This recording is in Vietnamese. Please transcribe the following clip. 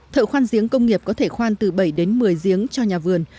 thợ khoan diếng công nghiệp có thể khoan từ bảy đến một mươi diếng cho nhà vườn